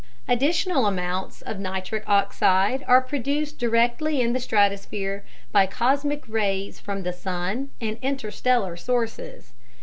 Additional amounts of NO are produced directly in the stratosphere by cosmic rays from the sun and interstellar sources.